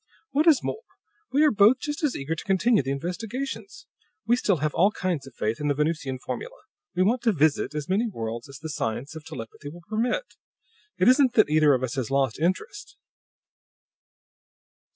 "What is more, we are both just as eager to continue the investigations. We still have all kinds of faith in the Venusian formula; we want to 'visit' as many more worlds as the science of telepathy will permit. It isn't that either of us has lost interest."